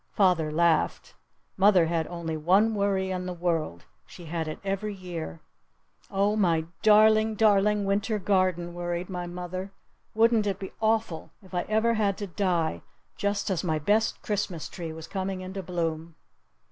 Father laughed. Mother had only one worry in the world. She had it every year. "Oh, my darling, darling Winter garden!" worried my mother. "Wouldn't it be awful if I ever had to die just as my best Christmas tree was coming into bloom?"